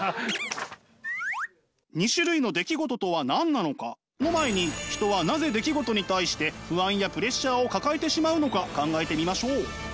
２種類の出来事とは何なのかの前に人はなぜ出来事に対して不安やプレッシャーを抱えてしまうのか考えてみましょう。